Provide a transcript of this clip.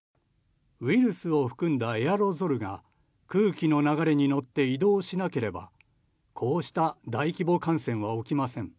ウイルスを含んだエアロゾルが空気の流れに乗って移動しなければこうした大規模感染は起きません。